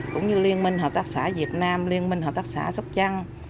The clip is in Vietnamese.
cũng như liên minh hợp tác xã việt nam liên minh hợp tác xã sóc trăng